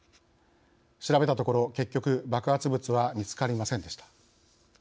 調べたところ結局爆発物は見つかりませんでした。